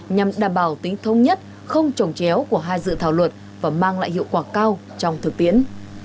nhằm đảm bảo tính thông nhất không trồng chéo của hai dự thảo luật và mang lại hiệu quả cao trong thực tiễn